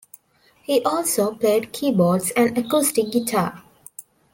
He also played keyboards and acoustic guitar.